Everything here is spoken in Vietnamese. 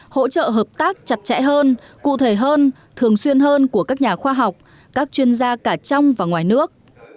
hỗ trợ hợp tác chặt chẽ hơn cụ thể hơn thường xuyên hơn của các nhà khoa học các chuyên gia cả trong và ngoài nước